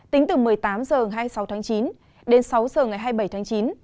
tính từ một mươi tám h hai mươi sáu chín đến sáu h hai mươi bảy chín